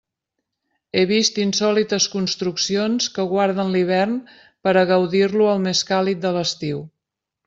He vist insòlites construccions que guarden l'hivern per a gaudir-lo al més càlid de l'estiu.